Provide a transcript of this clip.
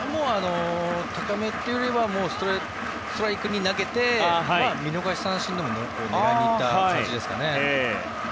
高めっていうよりはストライクに投げて見逃し三振を狙いにいった感じですかね。